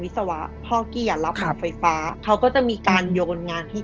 ศวะพ่อกี้อ่ะรับไฟฟ้าเขาก็จะมีการโยนงานที่